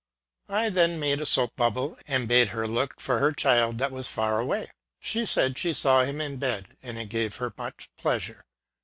I then made a soap bubble, and bade her look for her child that was far away. She said she saw him in bed, and it gave her much pleasure.